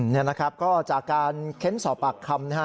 นี่นะครับก็จากการเค้นสอบปากคำนะฮะ